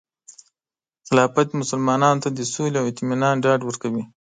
خلافت مسلمانانو ته د سولې او اطمینان ډاډ ورکوي.